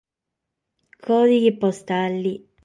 Còdighe postale